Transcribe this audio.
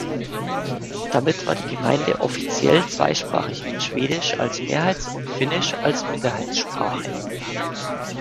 Damit war die Gemeinde offiziell zweisprachig mit Schwedisch als Mehrheits- und Finnisch als Minderheitssprache.